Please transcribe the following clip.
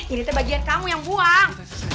ini tuh bagian kamu yang buang